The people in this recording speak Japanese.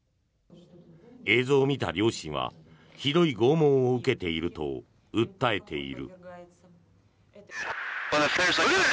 映像を見た両親はひどい拷問を受けていると訴えている。